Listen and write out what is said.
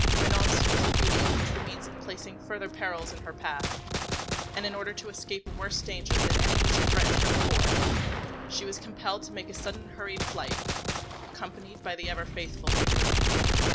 Manon's fatal beauty was the means of placing further perils in her path, and, in order to escape a worse danger than any which had threatened her before, she was compelled to make a sudden hurried flight, accompanied by the ever faithful Des Grieux.